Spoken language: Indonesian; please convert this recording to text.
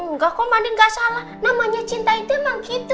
engga kok mbak andin ga salah namanya cinta itu emang gitu